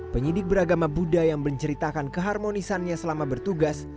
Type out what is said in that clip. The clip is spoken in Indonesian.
penyidik beragama buddha yang menceritakan keharmonisannya selama bertugas